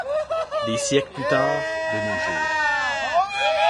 Des siècles plus tard, de nos jours.